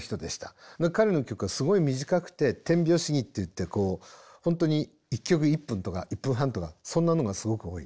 彼の曲はすごい短くて点描主義っていってこう本当に１曲１分とか１分半とかそんなのがすごく多い。